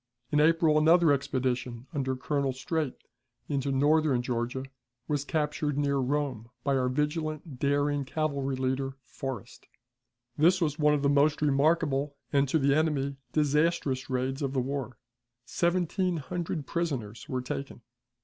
In April another expedition, under Colonel Streight, into northern Georgia, was captured near Rome by our vigilant, daring cavalry leader, Forrest. This was one of the most remarkable, and, to the enemy, disastrous raids of the war. Seventeen hundred prisoners were taken.